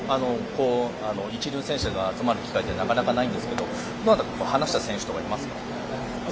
一流の選手が集まる機会ってなかなかないんですけど話した選手とかいますか？